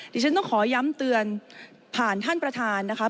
ที่ฉันต้องขอย้ำเตือนผ่านท่านประธานนะคะ